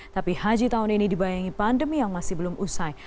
tapi haji tahun ini dibayangi pandemi yang masih belum usai